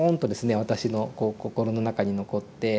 私のこう心の中に残って。